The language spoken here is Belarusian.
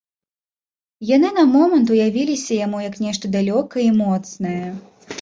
Яны на момант уявіліся яму як нешта далёкае і моцнае.